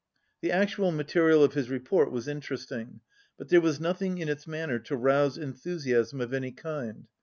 The actual material of his report was interesting, but there was nothing in its man 56 ner to rouse enthusiasm of any kind.